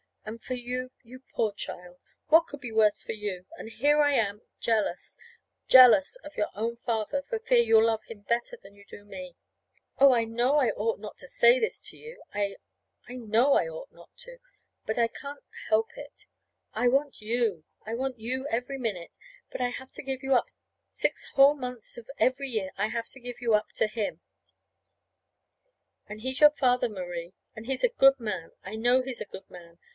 And for you you poor child! what could be worse for you? And here I am, jealous jealous of your own father, for fear you'll love him better than you do me! "Oh, I know I ought not to say all this to you I know I ought not to. But I can't help it. I want you! I want you every minute; but I have to give you up six whole months of every year I have to give you up to him. And he's your father, Marie. And he's a good man. I know he's a good man.